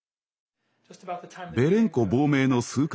ベレンコ亡命の数か月